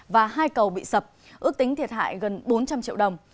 và hai cầu bị sập ước tính thiệt hại gần bốn trăm linh triệu đồng